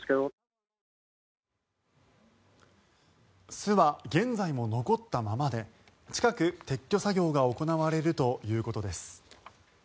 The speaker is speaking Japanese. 巣は現在も残ったままで近く撤去作業が行われるということです。